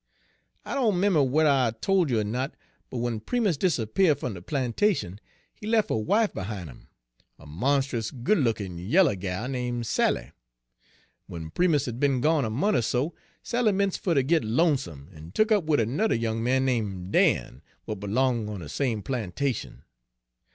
"I doan 'member whe'r I tol' you er no, but w'en Primus disappear' fum de plantation, he lef' a wife behin' 'im, a monst'us good lookin' yeller gal, name' Sally. W'en Primus had be'n gone a mont' er so, Sally 'mence' fer ter git lonesome, en tuk up wid ernudder young Page 117 man name' Dan, w'at b'long' on de same plantation.